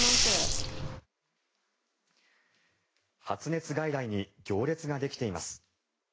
発熱外来に行列ができています。